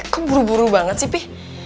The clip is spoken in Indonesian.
kok buru buru banget sih pi